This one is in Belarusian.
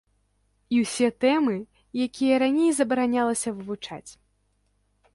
І ўсе тэмы, якія раней забаранялася вывучаць.